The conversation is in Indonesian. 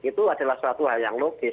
itu adalah suatu hal yang logis